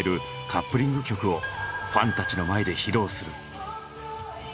カップリング曲をファンたちの前で披露する。